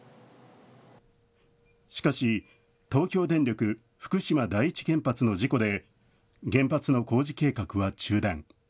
しかし、東京電力福島第一原発の事故で、原発の工事計画は中断。